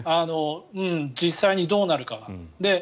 実際にどうなるかは。